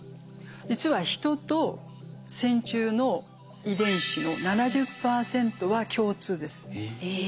実はヒトと線虫の遺伝子の７０％は共通です。え。